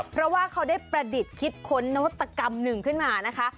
เพราะว่าเขาได้ประดิษฐ์คิดค้นนวัตกรรมหนึ่งขึ้นมานะคะ